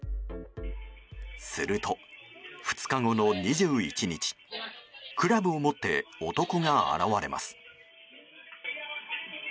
すると、２日後の２１日クラブを持って男が現れます。